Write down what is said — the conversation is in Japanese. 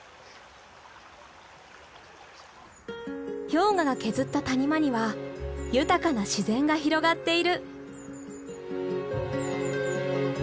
氷河が削った谷間には豊かな自然が広がっている。